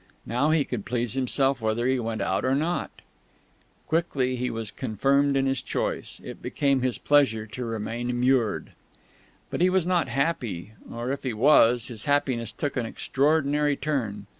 Now he could please himself whether he went out or not.... Quickly he was confirmed in his choice. It became his pleasure to remain immured. But he was not happy or, if he was, his happiness took an extraordinary turn.